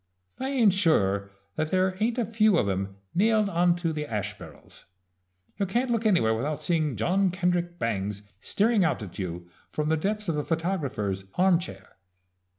I ain't sure that there ain't a few of 'em nailed onto the ash barrels. You can't look anywhere without seeing John Kendrick Bangs staring out at you from the depths of a photographer's arm chair.